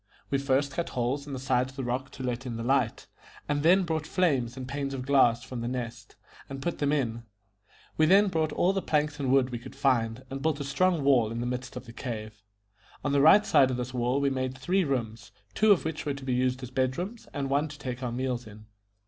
We first cut holes in the sides of the rock to let in the light, and then brought frames and panes of glass from The Nest, and put them in. We then brought all the planks and wood we could find, and built a strong wall in the midst of the cave. On the right side of this wall we made three rooms, two of which were to be used as bed rooms, and one to take our meals in.